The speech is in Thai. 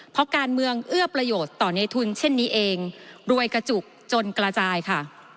เพราะการเมืองเอื้อประโยชน์ต่อในทุนเช่นนี้เองรวยกระจุกจนกระจายค่ะ